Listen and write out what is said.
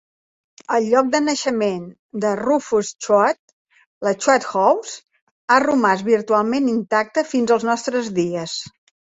El lloc de naixement de Rufus Choate, la Choate House, ha romàs virtualment intacte fins els nostres dies.